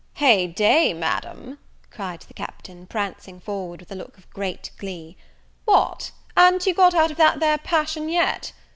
"Heyday, Madam," cried the Captain, (prancing forward, with a look of great glee) "what, a'n't you got out of that there passion yet?